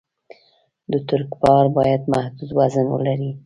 د ټرک بار باید محدود وزن ولري.